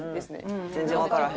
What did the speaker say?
全然わからへん。